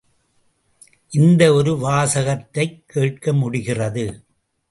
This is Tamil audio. இந்த ஒரு வாசகத்தைக் கேட்க முடிகிறது.